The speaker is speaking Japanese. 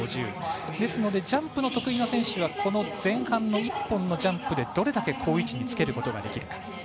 ジャンプの得意な選手は前半の１本のジャンプでどれだけ好位置につけることができるか。